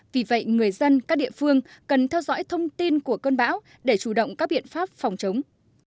vì vậy người dân các địa phương cần theo dõi thông tin của cơn bão để chủ động các biện pháp phòng chống